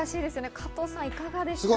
加藤さん、いかがですか？